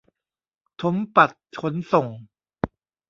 ถมปัดขนส่ง